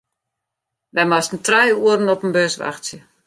Wy moasten trije oeren op in bus wachtsje.